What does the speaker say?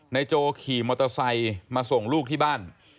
โจขี่มอเตอร์ไซค์มาส่งลูกที่บ้าน